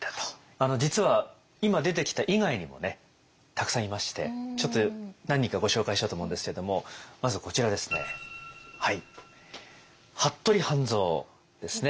あの実は今出てきた以外にもねたくさんいましてちょっと何人かご紹介しようと思うんですけれどもまずこちらですね服部半蔵ですね。